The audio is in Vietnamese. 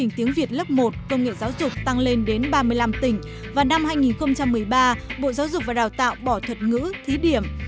tiếng việt lớp một công nghệ giáo dục tăng lên đến ba mươi năm tỉnh và năm hai nghìn một mươi ba bộ giáo dục và đào tạo bỏ thuật ngữ thí điểm